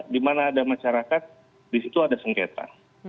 di mana ada masyarakat di situ ada sengketa